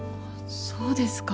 そうですか。